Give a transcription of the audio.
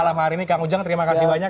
malam hari ini kang ujang terima kasih banyak